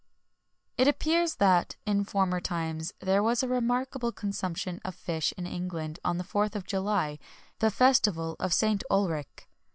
It appears that, in former times, there was a remarkable consumption of fish in England on the 4th of July, the Festival of St. Ulric.